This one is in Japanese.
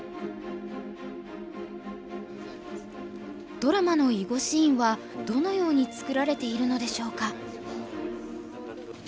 ドラマの囲碁シーンはどのように作られているのでしょうか？